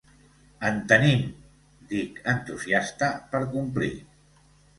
En tenim! —dic entusiasta, per complir.